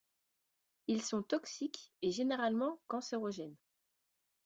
Ils sont toxiques et généralement cancérogènes.